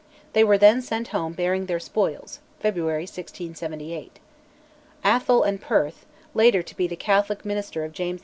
They were then sent home bearing their spoils (February 1678). Atholl and Perth (later to be the Catholic minister of James II.)